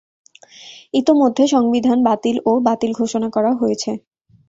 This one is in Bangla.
ইতোমধ্যে সংবিধান বাতিল ও বাতিল ঘোষণা করা হয়েছে।